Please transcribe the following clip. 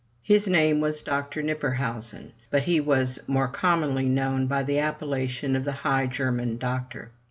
His name was Dr. Knipperhausen, but he was more commonly known by the appellation of the High German Doctor.